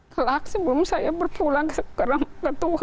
kelak sebelum saya berpulang sekarang ke tua sisi tuhan